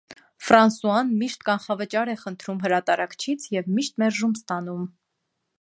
Ֆրանսուան միշտ կանխավճար է խնդրում հրատարակչից, և միշտ մերժում ստանում։